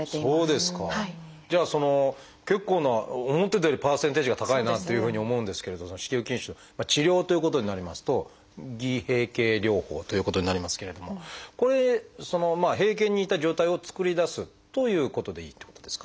じゃあその結構な思ってたよりパーセンテージが高いなというふうに思うんですけれどその子宮筋腫の治療ということになりますと偽閉経療法ということになりますけれどもこれ閉経に似た状態を作り出すということでいいってことですか？